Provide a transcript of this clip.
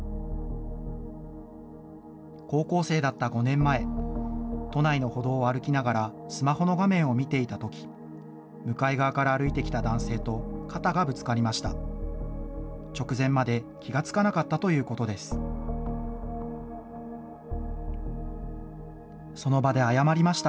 高校生だった５年前、都内の歩道を歩きながら、スマホの画面を見ていたとき、向かい側から歩いてきた男性と肩がぶつかりました。